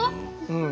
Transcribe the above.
うん。